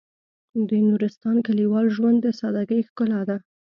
د نورستان کلیوال ژوند د سادهګۍ ښکلا ده.